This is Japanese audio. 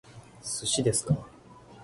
寿司ですか？